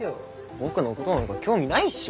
僕のごどなんか興味ないっしょ。